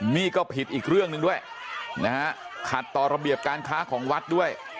นี่ก็ผิดอีกเรื่องหนึ่งด้วยนะฮะขัดต่อระเบียบการค้าของวัดด้วย